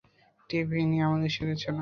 Tiffany, আমাদের সাথে চলো!